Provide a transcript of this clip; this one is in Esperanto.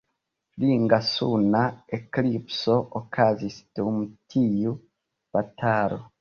Ringa suna eklipso okazis dum tiu batalo.